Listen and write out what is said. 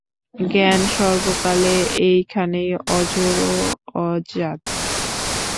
জ্ঞান সর্বকালে এইখানেই, অজর ও অজাত।